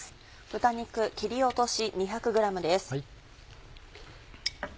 豚肉切り落とし２００ｇです。